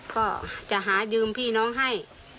ก็จะหายืมพี่น้องให้